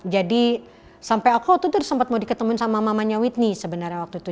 jadi sampai aku waktu itu udah sempat mau diketemu sama mamanya whitney sebenarnya waktu itu